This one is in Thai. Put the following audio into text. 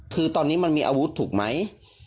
คือตอนนี้มันมีอาวุธถูกไหม